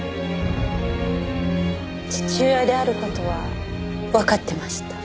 父親である事はわかってました。